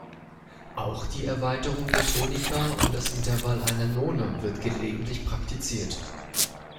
Auch die Erweiterung der Tonika um das Intervall einer None wird gelegentlich praktiziert.